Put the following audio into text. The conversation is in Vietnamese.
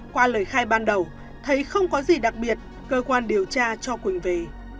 qua lời khai ban đầu thấy không có gì đặc biệt cơ quan điều tra cho quỳnh về